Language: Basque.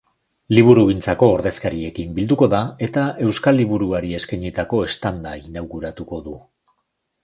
Liburugintzako ordezkariekin bilduko da eta euskal liburuari eskainitako standa inauguratuko du.